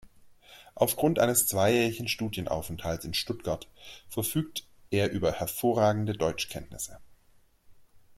Aufgrund eines zweijährigen Studienaufenthalts in Stuttgart verfügt er über hervorragende Deutschkenntnisse.